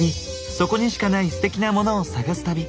そこにしかないステキなモノを探す旅。